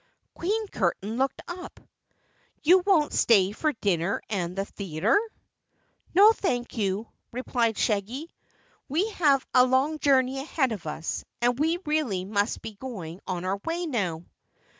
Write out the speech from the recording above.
Queen Curtain looked up. "You won't stay for dinner and the theater?" "No, thank you," replied Shaggy. "We have a long journey ahead of us and we really must be going on our way now."